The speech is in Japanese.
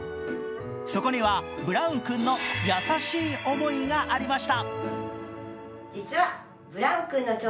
そこにはブラウン君の優しい思いがありました。